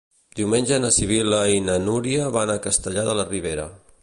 Diumenge na Sibil·la i na Núria van a Castellar de la Ribera.